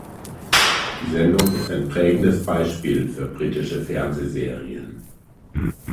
Die Sendung ist ein prägendes Beispiel für britische Fernsehserien.